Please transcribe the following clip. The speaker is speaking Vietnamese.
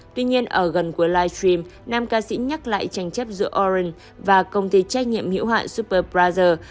tuy nhiên ở gần cuối live stream nam ca sĩ nhắc lại tranh chấp giữa orange và công ty trách nhiệm hữu hạn superbrother